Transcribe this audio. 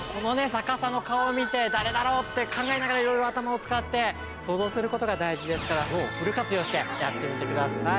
逆さの顔を見て誰だろう？って考えながらいろいろ頭を使って想像することが大事ですからフル活用してやってみてください。